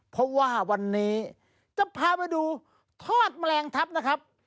เพราะว่าวันนี้จะพาไปดูทอดแมลงทัพนะครับ